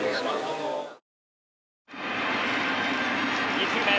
２球目。